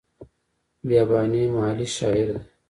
بیاباني محلي شاعر دی.